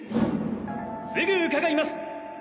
すぐ伺います！